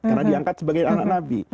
karena diangkat sebagai anak nabi